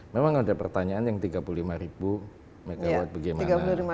memang ada pertanyaan yang tiga puluh lima ribu megawatt bagaimana